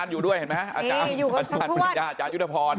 อยู่กับถ้ำพันธุ์นี้อาจารยุทธพร